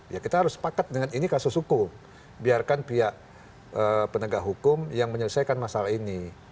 ya kita harus sepakat dengan ini kasus hukum biarkan pihak penegak hukum yang menyelesaikan masalah ini